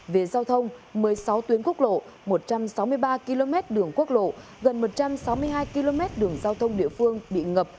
về giao thông một mươi sáu tuyến quốc lộ một trăm sáu mươi ba km đường quốc lộ gần một trăm sáu mươi hai km đường giao thông địa phương bị ngập